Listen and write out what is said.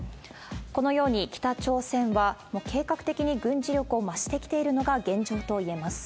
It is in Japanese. このように北朝鮮は、計画的に軍事力を増してきているのが現状と言えます。